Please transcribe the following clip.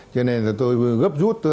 cho nên tôi gấp rút